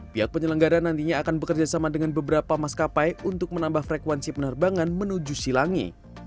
pihak penyelenggara nantinya akan bekerjasama dengan beberapa maskapai untuk menambah frekuensi penerbangan menuju silangi